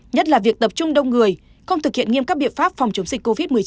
nhất là việc tập trung đông người không thực hiện nghiêm các biện pháp phòng chống dịch covid một mươi chín